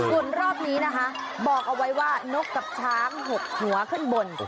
ส่วนรอบนี้นะคะบอกเอาไว้ว่านกกับช้าง๖หัวขึ้นบน